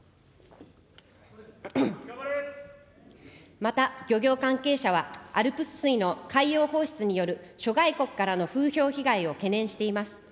また漁業関係者は、ＡＬＰＳ水の海洋放出による諸外国からの風評被害を懸念しています。